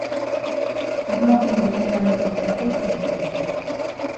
Arma honen lehen erabilpenetakoa izan zen.